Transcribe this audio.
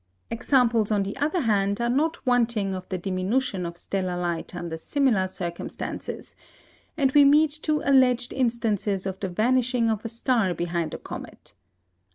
Examples, on the other hand, are not wanting of the diminution of stellar light under similar circumstances; and we meet two alleged instances of the vanishing of a star behind a comet.